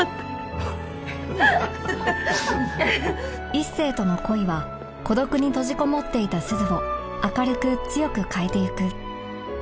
一星との恋は孤独に閉じこもっていた鈴を明るく強く変えていく